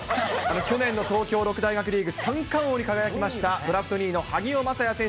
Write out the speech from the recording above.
去年の東京六大学リーグ、三冠王に輝きました、ドラフト２位の萩尾匡也選手。